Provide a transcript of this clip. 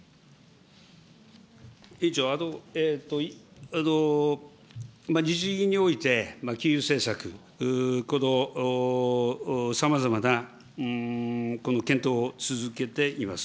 委員長、日銀において、金融政策、このさまざまな検討を続けています。